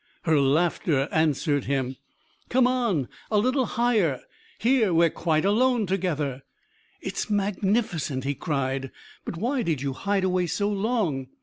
Her laughter answered him. "Come on! A little higher. Here we're quite alone together." "It's magnificent," he cried. "But why did you hide away so long?